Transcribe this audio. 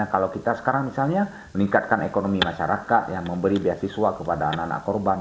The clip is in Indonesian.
kalau kita sekarang misalnya meningkatkan ekonomi masyarakat yang memberi beasiswa kepada anak anak korban